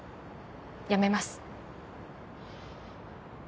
辞めます。